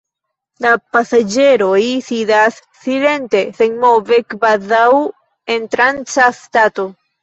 La pasaĝeroj sidas silente, senmove, kvazaŭ en tranca stato.